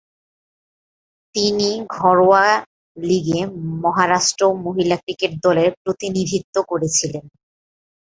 তিনি ঘরোয়া লিগে মহারাষ্ট্র মহিলা ক্রিকেট দলের প্রতিনিধিত্ব করেছিলেন।